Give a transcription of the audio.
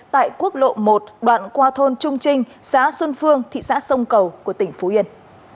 tại quốc lộ một đoạn qua thôn trung trinh xã xuân phương thị xã sông cầu của tỉnh phú yên